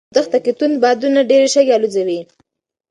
په دښته کې توند بادونه ډېرې شګې الوځوي.